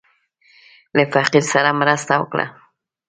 له فقير سره مرسته وکړه.